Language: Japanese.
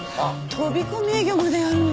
飛び込み営業までやるの？